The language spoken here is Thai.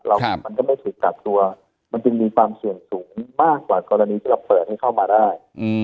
มันก็ไม่ถูกกักตัวมันจึงมีความเสี่ยงสูงมากกว่ากรณีที่เราเปิดให้เข้ามาได้